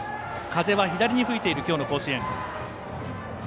風は左に吹いている今日の甲子園。